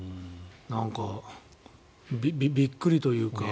なんか、びっくりというか。